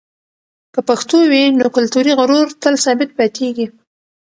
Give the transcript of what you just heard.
که پښتو وي، نو کلتوري غرور تل ثابت پاتېږي.